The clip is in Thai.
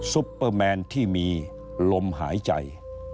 ซุปเปอร์แมนที่มีลมหายใจ